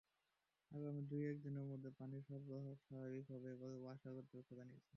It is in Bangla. আগামী দুই-এক দিনের মধ্যে পানির সরবরাহ স্বাভাবিক হবে বলে ওয়াসা কর্তৃপক্ষ জানিয়েছে।